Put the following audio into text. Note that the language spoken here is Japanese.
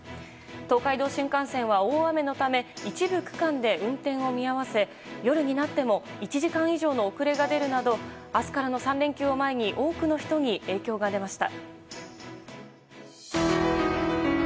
東海道新幹線は大雨のため一部区間で運転を見合わせ、夜になっても１時間以上の遅れが出るなど明日からの３連休を前に多くの人に影響が出ました。